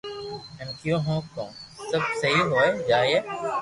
ھين ڪيو ھون ڪو سب سھي ھوئي جائي